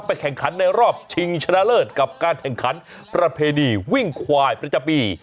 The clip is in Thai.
แข่งขันในรอบชิงชนะเลิศกับการแข่งขันประเพณีวิ่งควายประจำปี